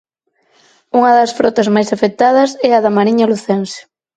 Unha das frotas máis afectadas é a da mariña lucense.